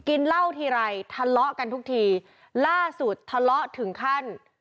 กินเหล้าทีไรทะเลาะกันทุกทีล่าสุดทะเลาะถึงขั้น